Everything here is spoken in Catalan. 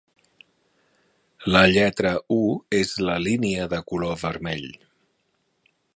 La lletra u és la línia de color vermell.